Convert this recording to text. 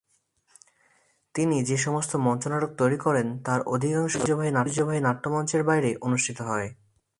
তিনি যে সমস্ত মঞ্চনাটক তৈরি করেন তার অধিকাংশই ঐতিহ্যবাহী নাট্যমঞ্চের বাইরে অনুষ্ঠিত হয়।